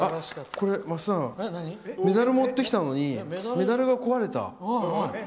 これ、メダルを持ってきたのにメダルが壊れた。